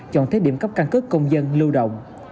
chọn thế điểm cấp căn cước công dân lưu động